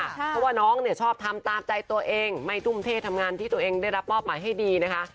เพราะว่าน้องเนี่ยชอบทำตามใจตัวเองไม่ทุ่มเททำงานที่ตัวเองได้รับมอบหมายให้ดีนะคะ